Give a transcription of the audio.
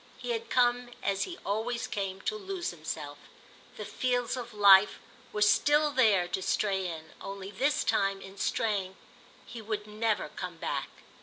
He had come, as he always came, to lose himself; the fields of light were still there to stray in; only this time, in straying, he would never come back.